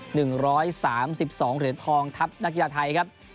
๑๓๒เหรียญทองทัพนักยาไทยครับ